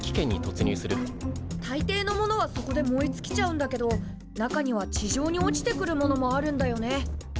たいていのものはそこで燃えつきちゃうんだけど中には地上に落ちてくるものもあるんだよね。